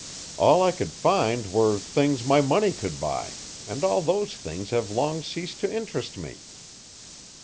All I could find were things my money could buy and all those things have long ceased to interest me.